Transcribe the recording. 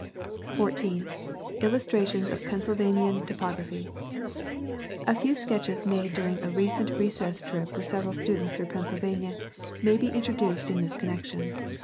14. Illustrations of Pennsylvanian topography. — A few sketches made during a recent recess trip with several students through Pennsylvania may = S. """=.^*^^' be introduced in this connection.